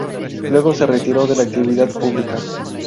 Luego se retiró de la actividad pública.